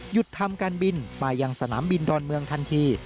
ทำการบินไปยังสนามบินดอนเมืองทันที